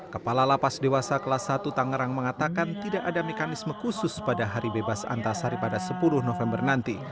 kepala lapas dewasa kelas satu tangerang mengatakan tidak ada mekanisme khusus pada hari bebas antasari pada sepuluh november nanti